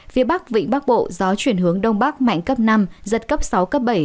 phía bắc vịnh bắc bộ gió chuyển hướng đông bắc mạnh cấp năm giật cấp sáu cấp bảy